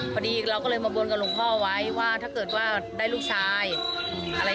พอดีเราก็เลยมาบนกับหลวงพ่อไว้ว่าถ้าเกิดว่าได้ลูกชายอะไร